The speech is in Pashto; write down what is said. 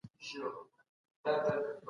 حکومتونه د ملکیت مالیه راټولوي.